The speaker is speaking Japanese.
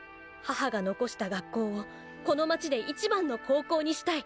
母が残した学校をこの街で一番の高校にしたい。